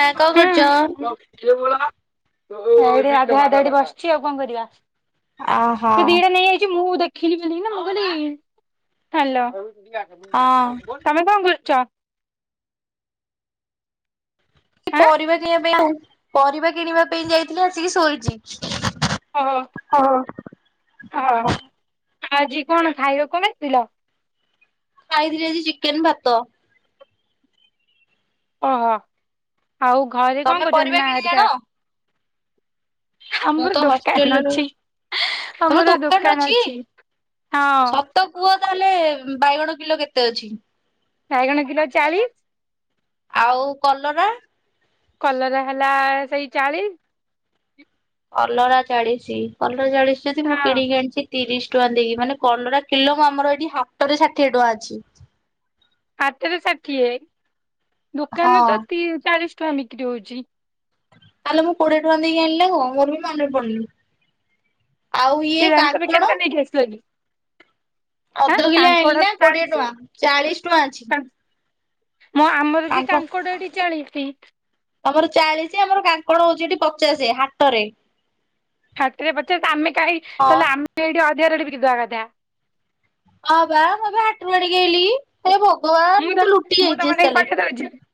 ହା କଣ କରୁଚ? ହୁଁ। [unintelligible] ବସିଛି ଆଉ କଣ କରିବା। ଅହ ସେ ଦିଟା ନେଇଯାଇଛି ମୁଁ ଦେ ଦେଖିଲି ବୋଲି କିନା ମୁଁ କହିଲି ହାଲୋ ହଁ। ତମେ କଣ କରୁଛ? ପରିବା କିଣିବା ପାଇଁ ଆଉ ପରିବା କିଣିବା ପାଇଁ ଯାଇଥିଲି ଆସିକି ସୋଇଛି। ଓହୋ ଆ ହା ଆଜି କଣ ଖାଇବାକୁ ନେଇଥିଲ? ଖାଇଥିଲି ଆଜି ଚିକେନ୍ ଭାତ। ଓହୋ ଆଉ ଘରେ କଣ ତମେ କରୁଛନ୍ତି ପରିବା ମା କିଣିକି ଆଣ? ହେରିକା? ମୁଁ ଆମର ତ ଦୋକାନ ହଷ୍ଟେଲ୍ ରେ ଅଛି ରହୁଚି। ଆମର ଦୋକାନ ଅଛି। ହଁ ତ କୁହ ତାହେଲେ ବାଇଗଣ କିଲୋ କେତେ ଅଛି? ବାଇଗଣ କିଲୋ ଚାଳିଶ ଆଉ କଲରା? କଲରା ହେଲା ସେଇ ଚାଳିଶ। କଲରା ଚାଳିଶି କଲରା ଚାଳିଶ ଯଦି ମୁଁ ହଁ କିଣିକି ଆଣିଛି ତିରିଶ ଟଙ୍କା ଦେଇକି ମାନେ କଲରା କିଲକ ଆମର ଏଠି ହାଟରେ ଷାଠିଏ ଟଙ୍କା ଅଛି। ହାଟରେ ଷାଠିଏ ହଁ। ଦୋକାନରେ ତ ତି ଚାଳିଶ ଟଙ୍କା ବିକ୍ରି ହଉଛି। ଆଲୋ ମୁ କୋଡ଼ିଏଟଙ୍କା ଦେଇି ଆଣିଲି ନାଁ କଣ ମୋର ବି ମାନେ ପଡୁନି। ଆଉ ଇଏ କାଙ୍କଣ। ଏଠିକି ଆସିବ ଆଜି। ଅଧ କିଲେ ଆଣିଲି ନା କୋଡ଼ିଏ ଚାଳିଶି ଟଙ୍କା ଚାଳିଶ ଟଙ୍କା ଅଛି। ମୁଁ ଆମର ବି କାଙ୍କଡ କାଙ୍କଡ଼ ଏଠି ଚାଳିସି। ତମର ଚାଳିସି ଆମର କାଙ୍କଡ଼ ହଉଛି ଏଠି ପଚାଶେ ହାଟରେ। ହାଟରେ ପଚାଶ ଆମେ କାହିଁ ହଁ ତାହେଲେ ଆମେ ଏଇଠି ଅଧିକା ରେଟରେ ବିକିଦେବା କଥା। ହଁ ବା ମୁଁ ବା ହାଟରୁ ଆଣିକି ଆଇଲି ହେ ଭଗବାନ ମୁଁ ତ ଲୁଟି ଯାଇଛି ତାହେଲେ। [unintelligible]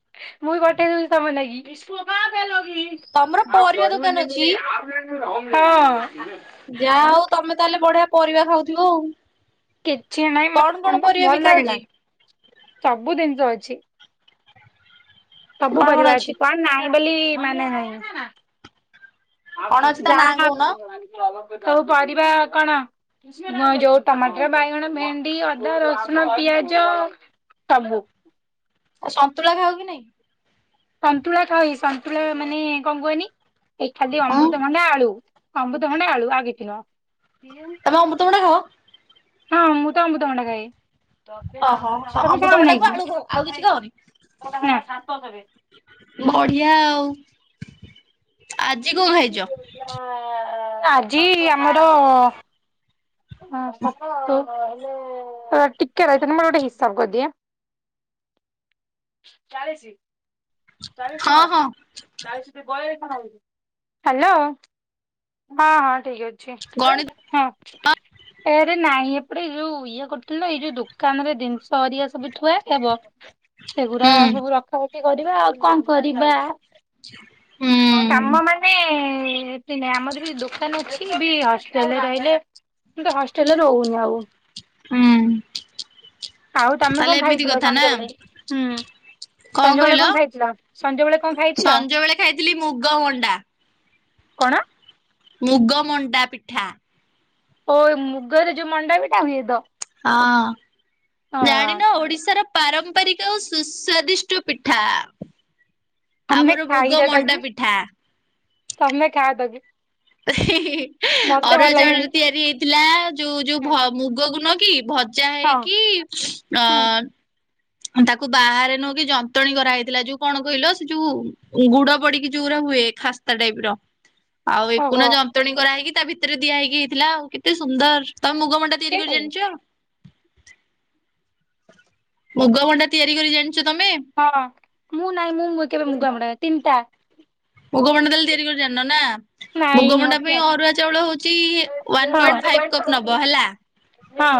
ମୁବି ପଠେଇ ଦଉଛି ତମ ଲାଗି। ତମର ପରିବା ଦୋକାନ ଅଛି ହଁ। ଯାହା ହଉ ତମେ ତାହେଲେ ବଢ଼ିଆ ପରିବା ଖାଉଥିବ ଆଉ। କିଛି ନାହିଁ କଣ ମତେ କଣ ମତେ ପରିବା ଭଲ ବିକା ଲାଗିଲା ହଉଛି ସବୁ ଜିନିଷ ଅଛି। ସବୁ କଣ କଣ ପରିବା ଅଛି କଣ ନାହିଁ ବୋଲି ମାନେ କଣ ଅଛି ନାହିଁ। ତା ନାଁ ଯାହା କହୁନ? ସବୁ ପରିବା କଣ? ଯୋଉ ଟମାଟର ବାଇଗଣ ଭେଣ୍ଡି ଅଦା ରସୁଣ ପିଆଜ ସବୁ। ଆଉ ସନ୍ତୁଳା ଖାଉ କି ନାଇଁ? ସନ୍ତୁଳା ଖାଅଇ ସନ୍ତୁଳା ମାନେ କଣ କୁହନି ଏଇ ଖାଲି ହଁ ଅମୃତଭଣ୍ଡା ଆଳୁ। ଅମୃତଭଣ୍ଡା ଆଳୁ ଆଉକିଛି ନୁହଁ। ତମେ ଅମୃତଭଣ୍ଡା ଖାଅ। ହଁ ମୁଁ ତ ଅମୃତଭଣ୍ଡା ଖାଏ। ଓହୋ ତମେ ଅମୃତଭଣ୍ଡାକୁ ଖାଅନାକି ଆଳୁ ଖାଅ ଆଉ କିଛି ଖାଅନି ହଁ। ବଢ଼ିଆ ଆଉ। ଆଜି କଣ ଖାଇଛ? ଆଜି ଆମର ହଁ ସାତ ଆ ଟିକେ ରହିଥା ମୋର ଗୋଟେ ହିସାବ କରିଦିଏ। ହଁ ହଁ [inaudible] ହ୍ୟାଲୋ ଗଣିତ ହଁ ଏରେ ନାଇଁ ଏପଟେ ଯୋଉ ଇଏ କରୁଥିଲ ତ ଏଇ ଯୋଉ ଦୋକାନରେ ଜିନିଷ ହରିଆ ସବୁ ଥୁଆହେଇଥିଲା ତ ହୁଁ ସେଗୁଡା ସବୁ ରକ୍ଷା ରଖି କରିବା ଆଉ କଣ କରିବା? ହୁଁ କାମ ମାନେ ଏତେ ନାହିଁ, ଆମର ବି ଦୋକାନ ଅଛି। ହଷ୍ଟେଲରେ ରହିଲେ କିୁନ୍ତୁ ହଷ୍ଟେଲରେ ରହୁନି ଆଉ। ହଁ ଆଉ ତମେ କଣ ଖାଇଥିଲ ସଞ୍ଜବେଳେ? ହୁଁ ସଞ୍ଜବେଳେ କଣ ଖାଇଥିଲ, ସଞ୍ଜବେେଳେ କଣ ଖାଇଥିଲ? ସଞ୍ଜ ବେଳେ ଖାଇଥିଲି ମୁଗ ମଣ୍ଡା କଣ? ମୁଗ ମଣ୍ଡା ପିଠା। ହ ମୁଗରେ ଯୋ ମଣ୍ଡା ପିଠା ହୁଏତ? ହଁ ଜାଣିନ ଓଡିଶାର ପାରମ୍ପରିକ ଓ ସୁସ୍ୱାଦିଷ୍ଟ ପିଠା। ଆମେ ଆମର ମୁଗ ଖାଇ ଯ ମଣ୍ଡା ତାକୁୁ ପିଠା ତମେ ଖାଅ ତାକୁୁ। [unintelligible] ଅରୁଆ ଚାଉଳ ରେ ଲାଗେନି। ତିଆରି ହେଇଥିଲା ଯୋଉ, ଯୋଉ ମୁଗ ଗୁନ କି ଭଜା ହେଇ ହଁ କି ଅ ହୁଁ ତାକୁ ବାହାରେ ନଉକି ଯନ୍ତଣୀ କରାହେଇଥିଲା ଯୋଉ କଣ କହିଲ ସେ ଯୋଉ ଗୁଡ ପଡିକି ଯୋଉ ହୁରା ହୁଏ ଖା ସ୍ଥା ଟାଇପ ର ଆଉ ଓହୋ ଏକୁନା ଯନ୍ତଣୀ କରା ହେଇକି ତା ଭିତରେ ଦିଆ ହେଇକି ହେଇଥିଲା ଆଉ, କେତେ ସୁନ୍ଦର ତମ ମୁଗ ମଣ୍ଡା। ତିଆରି କରି ଜାଣିଛ? ମୁଗଭଣ୍ଡା ତିଆରି କରି ଜାଣିଛ ତମେ? ହଁ ମୁଁ ନାଇଁ ମୁଁ କେବେ ମୁ ମୁଗ ମଣ୍ଡା ତିନିଟା। ମୁଗମଣ୍ଡା ତାହେଲେ ତିଆରି କରି ଜାଣିନ ନା। ନାଇଁ ମୁଗମଣ୍ଡା ମତେ ପାଇଁ ଆସ ଅରୁଆ ଚାଉଳ ହଉଛି ୱାନ୍ ପଏଣ୍ଟ୍ ଫାଇପ୍ କପ୍ ନବ ହେଲା। ନା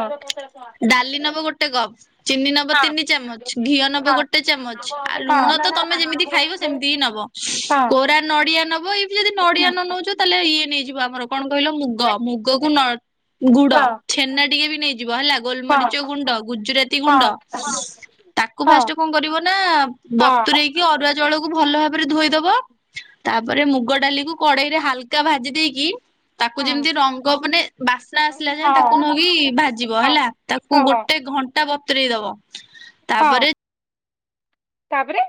ଡାଲି ନେବ ଗୋଟେ ଗୋଟେ କପ୍ ଚିନି ନବ ତିନି ଚାମଚ, ଘିଅ ହଁ। ନବ ଗୋଟେ ହଁ ଚାମଚ, ଆଉ ଲୁଣ ତ ତମେ ଯେମିତି ଖାଇବ ସେମିତି ହିଁ ନବ। ହଁ ଅଁ କୋରା ନଡିଆ ନବ ଏ ଯଦି ନଡିଆ ନ ନେଉଚ ତାହେଲେ ଇଏ ନେଇଯିବ ଆମର କଣ କହିଲ ମୁଗ ମୁଗକୁ ନଳ ଗୁଡ। ଛେନା ଟିକେ ବି ନେଇଯିବ ହେଲା ଗୋଲମରିଚ ଗୁଣ୍ଡ ଗୁଜୁରାତି ଗୁଣ୍ଡ। ତାକୁ ଫାଷ୍ଟ କଣ କରିବ ନା ବତୁରଇକି ଅରୁଆ ଜଳକୁ ଭଲ ଭାବରେ ଧୋଇଦବ। ତାପରେ ମୁଗ ଡାଲି କୁ କଡେଇ ରେ ହାଲକା ଭାଜି ଦେଇକି ତାକୁ ଯେମିତି ରଙ୍ଗ ମାନେ ବାସ୍ନା ଆସିଲା ଯାଏ ତାକୁ ନକି ଭାଜିବ ହେଲା ତାକୁ ଗୋଟେ ଘଣ୍ଟା। ଟା ବତୁରେଇ ଦବ ତାପରେ ତାପରେ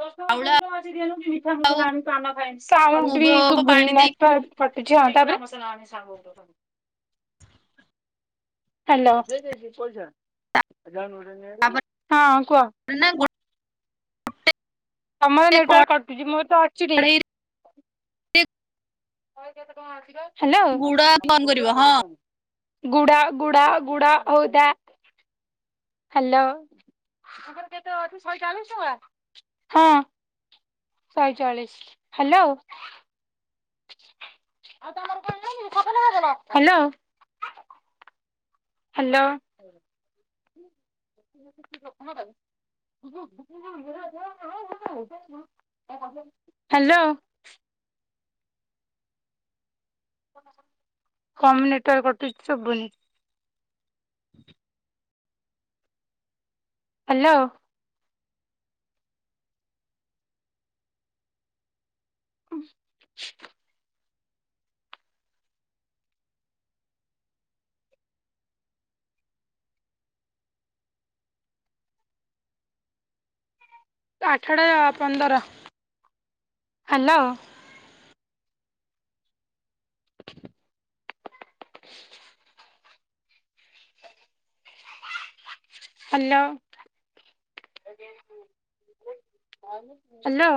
ଦଶ ଚାଉଳ ଆଉ ଟଙ୍କା କା ମାଛି ଦ ମିଠା ମନ ଖାଇ ସାଉଣ୍ଡ ମୁଗ ବି ପାଣି ଦେଇକି [unintelligible] ହାଲୋ ହଁ ତାପରେ କୁହ? ନା ତମର ଗୋଟେ ନେଟୱାର୍କ କଟୁଛି ମୁଁ ତ ଅଛି ଠିକ୍। କଡେଇରେ ହାଲୋ ଗୁଡ ଗରମ କରିବ ହଁ ଗୁଡ଼ା ଗୁଡ଼ା ଗୁଡ଼ା ହଉ ଥା। ହାଲୋ, କେତେ ଅଛି ଶହେ ଚାଳିଶି ଟଙ୍କା ହଁ। ଶହେଚାଳିଶ, ହାଲୋ ହାଲୋ ହାଲୋ ହାଲୋ। ତମ ନେଟୱର୍କ କଟୁଚି ଶୁବୁନି। ହାଲୋ। ଉଁ ଆଠଟା ପନ୍ଦର ହାଲୋ। Hello hello.